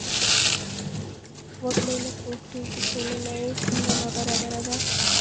وګړي نه پوهېږي ټولنه یې څومره نابرابره ده.